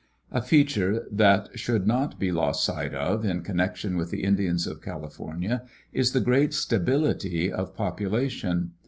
A feature that should not be lost sight of in connection with the Indians of California is the great stability of population.